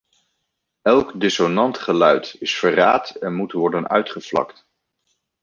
Elk dissonant geluid is verraad en moet worden uitgevlakt.